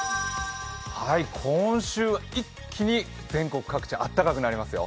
今週、一気に全国各地、あったかくなりますよ。